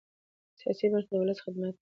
سیاسي بنسټونه د ولس خدمت کوي